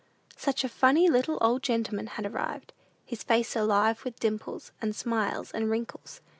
Such a funny little old gentleman had arrived: his face alive with dimples, and smiles, and wrinkles.